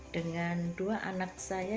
dengan dua anak saya